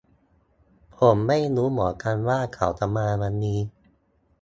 ผมไม่รู้เหมือนกันว่าเขาจะมาวันนี้